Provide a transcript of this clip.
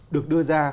được đưa ra